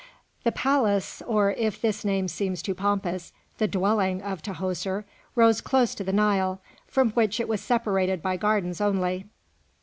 The palace, or if this name seems too pompous, the dwelling of Tahoser, rose close to the Nile, from which it was separated by gardens only.